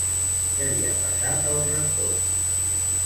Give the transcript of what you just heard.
Què li ha passat al Rector?